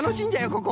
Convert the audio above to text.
ここ。